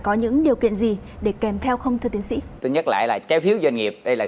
có những điều kiện gì để kèm theo không thưa tiến sĩ tôi nhắc lại là trái phiếu doanh nghiệp đây là